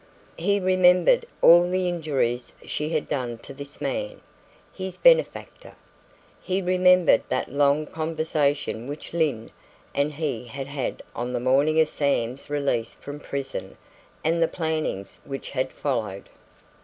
He remembered all the injuries she had done to this man, his benefactor. He remembered that long conversation which Lyne and he had had on the morning of Sam's release from prison and the plannings which had followed.